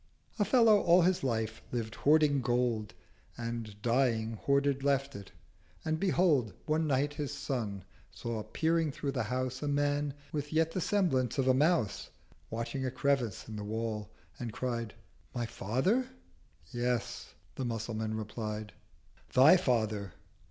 A Fellow all his life lived hoarding Gold, And, dying, hoarded left it. And behold, 350 One Night his Son saw peering through the House A Man, with yet the semblance of a Mouse, Watching a crevice in the Wall—and cried 'My Father?'—'Yes,' the Musulman replied, 'Thy Father!'